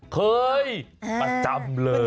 เคยอจำเลย